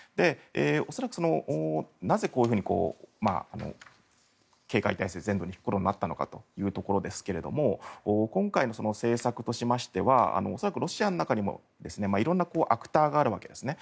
恐らく、なぜこういうふうに警戒体制を全部に敷くことになったのかというところですが今回の政策としましては恐らくロシアの中でもいろいろなアクターがあるわけですね。